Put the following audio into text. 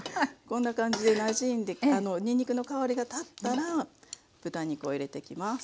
こんな感じでなじんでにんにくの香りが立ったら豚肉を入れていきます。